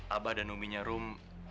abah dan umminya rum